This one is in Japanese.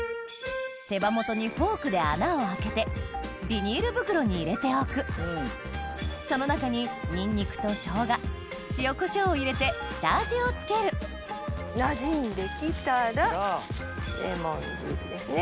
手羽元にフォークで穴を開けてビニール袋に入れておくその中にニンニクと生姜塩コショウを入れて下味を付けるなじんで来たらレモン汁ですね。